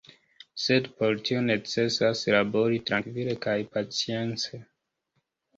Sed por tio necesas labori, trankvile kaj pacience.